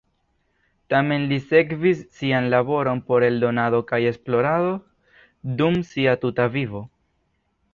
Tamen li sekvis sian laboron por eldonado kaj esplorado dum sia tuta vivo.